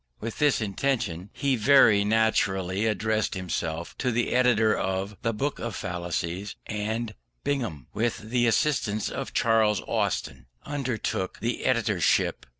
With this intention, he very naturally addressed himself to the editor of the Book of Fallacies; and Bingham, with the assistance of Charles Austin, undertook the editorship.